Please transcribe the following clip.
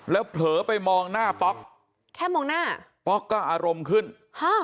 แล้วเผลอไปมองหน้าป๊อกแค่มองหน้าป๊อกก็อารมณ์ขึ้นฮะ